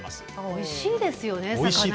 おいしいですよね。